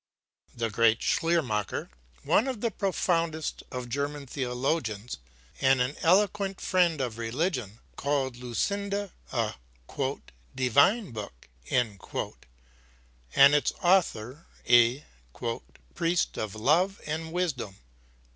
The great Schleiermacher, one of the profoundest of German theologians and an eloquent friend of religion, called Lucinda a "divine book" and its author a "priest of love and wisdom."